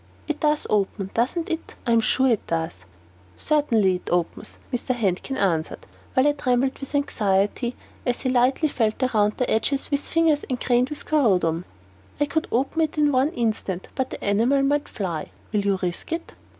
It does open, doesn't it? I am sure it does." "Certainly it opens," Mr. Handkin answered, while I trembled with anxiety as he lightly felt it round the edges with fingers engrained with corundum. "I could open it in one instant, but the enamel might fly. Will you risk it?"